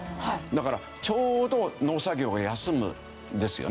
だからちょうど農作業を休むんですよね。